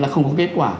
là không có kết quả